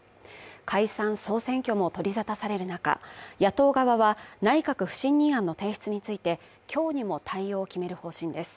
解散総選挙も取り沙汰される中、野党側は内閣不信任案の提出について今日にも対応を決める方針です。